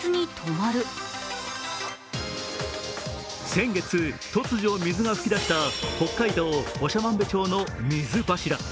先月、突如、水が噴き出した北海道長万部町の水柱。